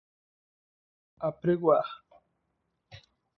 apregoar